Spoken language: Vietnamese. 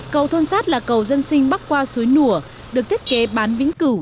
cầu thôn sát là cầu dân sinh bắc qua suối nùa được thiết kế bán vĩnh cửu